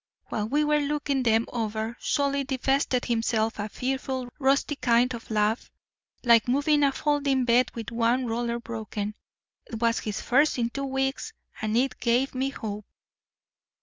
While we were looking them over, Solly divested himself of a fearful, rusty kind of laugh—like moving a folding bed with one roller broken. It was his first in two weeks, and it gave me hope.